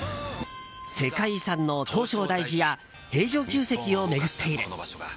世界遺産の唐招提寺や平城宮跡を巡っている。